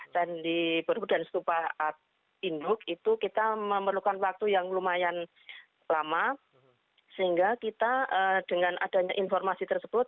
candi berhubung dan stupa induk itu kita memerlukan waktu yang lumayan lama sehingga kita dengan adanya informasi tersebut